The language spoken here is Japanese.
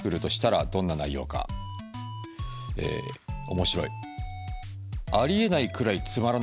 面白い。